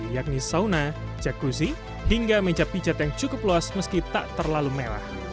yakni sauna jacuzzi hingga meja pijat yang cukup luas meski tak terlalu merah